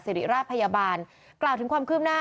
สิริราชพยาบาลกล่าวถึงความคืบหน้า